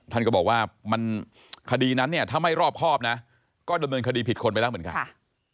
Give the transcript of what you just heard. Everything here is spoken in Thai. ท่านก็บอกว่ามันคดีนั้นเนี่ยถ้าไม่รอบครอบนะก็ดำเนินคดีผิดคนไปแล้วเหมือนกัน